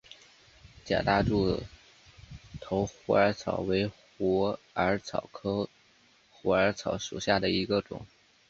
假大柱头虎耳草为虎耳草科虎耳草属下的一个种。